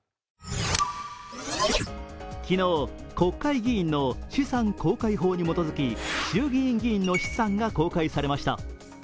昨日、国会議員の資産公開法に基づき衆議院議員の資産が公開されました。